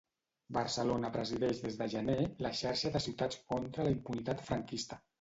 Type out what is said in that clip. Barcelona presideix des de gener la Xarxa de Ciutats contra la Impunitat Franquista.